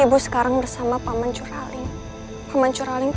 ibu sekarang bersama paman curraling